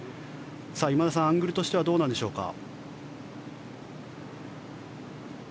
今田さん、アングルとしてはどうなんでしょうか？